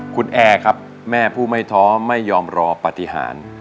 คุณแอร์ครับแม่ผู้ไม่ท้อไม่ยอมรอปฏิหาร